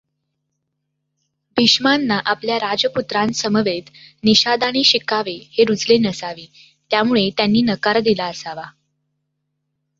भीष्मांना आपल्या राजपुत्रांसमवेत निषादाने शिकावे हे रूचले नसावे, त्यामुळे त्यांनी नकार दिला असावा.